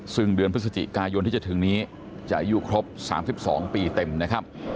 ซึ่งเดือนพฤศจิกายนที่จะถึงนี้จะอายุครบ๓๒ปีเต็มนะครับ